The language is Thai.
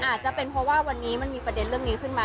อาจจะเป็นเพราะว่าวันนี้มันมีประเด็นเรื่องนี้ขึ้นมา